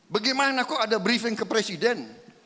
bagaimana kok ada briefing ke presiden